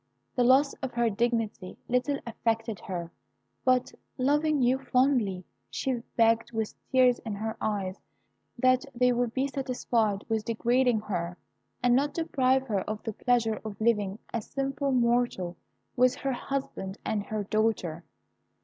The loss of her dignity little affected her; but, loving you fondly, she begged, with tears in her eyes, that they would be satisfied with degrading her, and not deprive her of the pleasure of living as a simple mortal with her husband and her dear daughter.